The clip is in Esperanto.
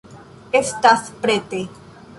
Estas prete.